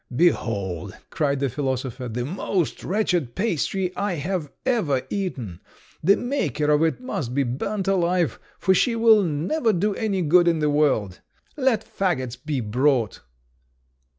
"Behold!" cried the philosopher, "the most wretched pastry I have ever eaten. The maker of it must be burnt alive, for she will never do any good in the world. Let faggots be brought!"